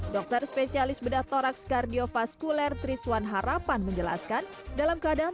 dokter spesialis bedah toraks kardiofaskuler triswan harapan menjelaskan dalam keadaan